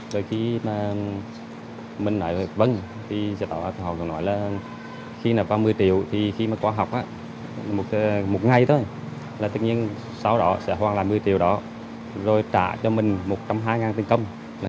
rồi khi mà mình nói vâng thì họ nói là khi nập vào một mươi triệu thì khi mà có học một ngày thôi là tự nhiên sau đó sẽ hoàn là một mươi triệu đó rồi trả cho mình một trăm hai mươi tình công